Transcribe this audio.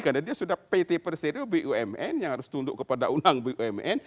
karena dia sudah pt persedia bumn yang harus tunduk kepada unang bumn